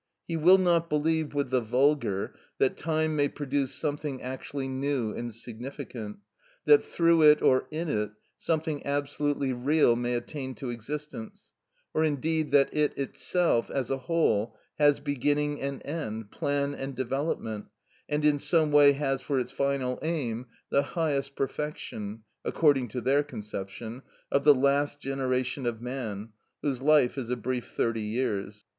He will not believe with the vulgar that time may produce something actually new and significant; that through it, or in it, something absolutely real may attain to existence, or indeed that it itself as a whole has beginning and end, plan and development, and in some way has for its final aim the highest perfection (according to their conception) of the last generation of man, whose life is a brief thirty years.